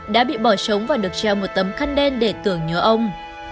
đã bị bỏ trống và được treo một tấm khăn đen để tưởng nhớ ông